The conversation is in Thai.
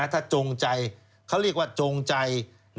ถ้าจงใจเขาเรียกว่าจงใจ